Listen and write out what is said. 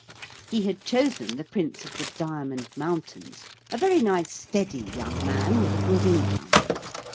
He had chosen the Prince of the Diamond Mountains, a very nice steady young man with a good income.